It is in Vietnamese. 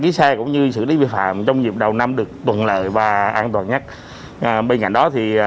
ký xe cũng như xử lý vi phạm trong dịp đầu năm được thuận lợi và an toàn nhất bên cạnh đó thì